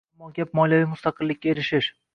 Ammo gap moliyaviy mustaqillikka erishish